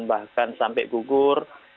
bahkan sampai gugur